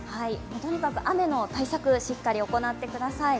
とにかく雨の対策、しっかり行ってください。